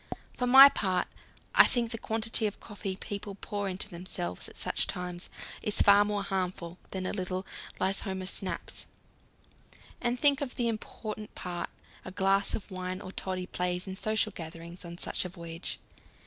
For my part, I think the quantity of coffee people pour into themselves at such times is far more harmful than a little Lysholmer snaps. And think of the important part a glass of wine or toddy plays in social gatherings on such a voyage.